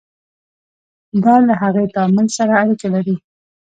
دا له هغې تعامل سره اړیکه لري.